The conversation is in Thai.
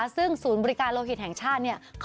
ซึ่งศูนย์บริการโลหิตแห่งชาติ